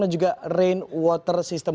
dan juga rain water system